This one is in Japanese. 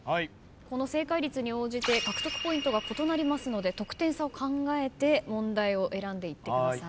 この正解率に応じて獲得ポイントが異なりますので得点差を考えて問題を選んでいってください。